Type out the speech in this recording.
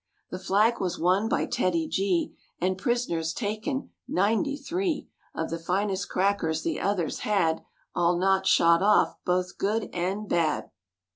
The flag was won by TEDDY G And prisoners taken, ninety three Of the finest crackers the others had, All not shot off, both good and bad.